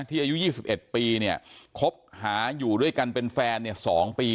ที่อายุยี่สิบเอ็ดปีเนี้ยคบหาอยู่ด้วยกันเป็นแฟนเนี้ยสองปี